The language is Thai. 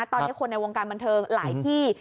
ตอนนี้คนในวงการบันเทิงหลายที่